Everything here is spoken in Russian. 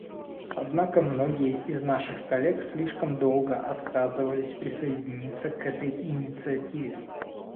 Однако многие из наших коллег слишком долго отказывались присоединиться к этой инициативе.